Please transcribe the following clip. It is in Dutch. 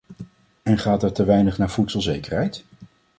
En gaat er te weinig naar voedselzekerheid?